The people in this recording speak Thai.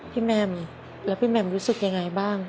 แม่มแล้วพี่แมมรู้สึกยังไงบ้าง